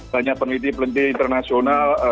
banyak peneliti peneliti internasional